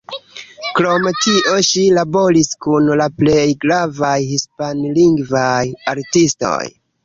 Krom tio ŝi laboris kun la plej gravaj hispanlingvaj artistoj.